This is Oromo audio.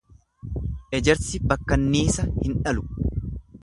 Ejersi bakkanniisa hin dhalu.